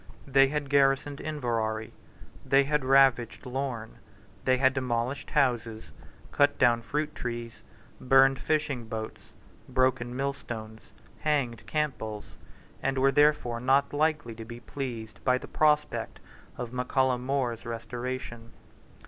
They had garrisoned Inverary: they had ravaged Lorn: they had demolished houses, cut down fruit trees, burned fishing boats, broken millstones, hanged Campbells, and were therefore not likely to be pleased by the prospect of Mac Callum Mores restoration.